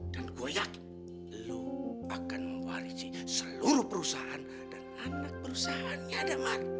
dan gue yakin lo akan mewarisi seluruh perusahaan dan anak perusahaannya damar